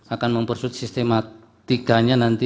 akan mempersusut sistematikanya nanti